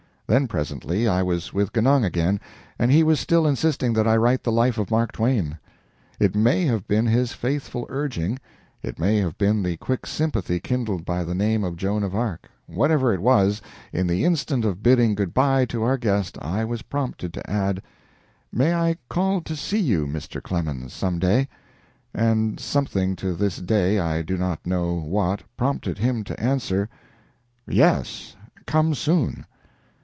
Then presently I was with Genung again and he was still insisting that I write the life of Mark Twain. It may have been his faithful urging, it may have been the quick sympathy kindled by the name of "Joan of Arc"; whatever it was, in the instant of bidding good by to our guest I was prompted to add: "May I call to see you, Mr. Clemens, some day?" And something to this day I do not know what prompted him to answer: "Yes, come soon."